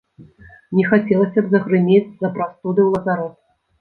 Не хацелася б загрымець з-за прастуды ў лазарэт.